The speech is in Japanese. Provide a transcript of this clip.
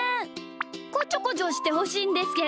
こちょこちょしてほしいんですけど。